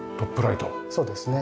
そうですね。